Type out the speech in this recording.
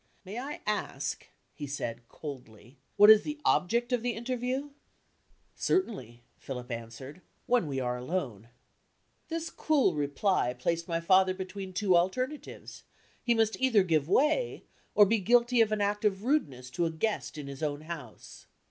"May I ask," he said, coldly, "what is the object of the interview?" "Certainly," Philip answered, "when we are alone." This cool reply placed my father between two alternatives; he must either give way, or be guilty of an act of rudeness to a guest in his own house.